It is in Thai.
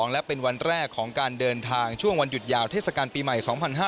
และเป็นวันแรกของการเดินทางช่วงวันหยุดยาวเทศกาลปีใหม่๒๕๕๙